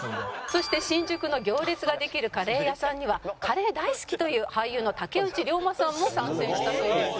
そして新宿の行列ができるカレー屋さんにはカレー大好きという俳優の竹内涼真さんも参戦したそうです。